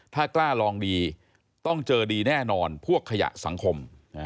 ถ้ากล้าลองดีต้องเจอดีแน่นอนพวกขยะสังคม